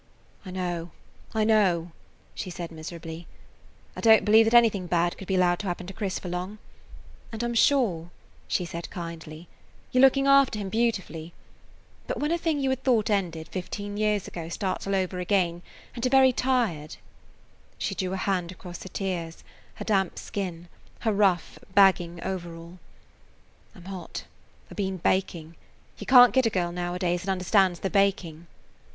"I know, I know," she said miserably. "I don't believe that anything bad could be allowed to happen to Chris for long. And I 'm sure," she said kindly, "you 're looking after him beautifully. But when a thing you had thought had ended fifteen years ago starts all over again, and you 're very tired–" She drew a hand [Page 88] across her tears, her damp skin, her rough, bagging overall. "I 'm hot. I 've been baking. You can't get a girl nowadays that understands the baking."'